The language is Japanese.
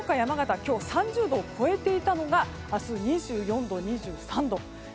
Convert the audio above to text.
今日、３０度を超えていたのが明日、２３度など。